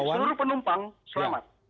ya seluruh penumpang selamat